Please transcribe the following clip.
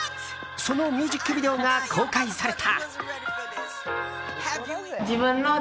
そのミュージックビデオが公開された。